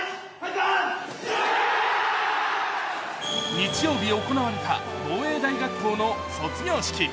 日曜日行われた防衛大学校の卒業式。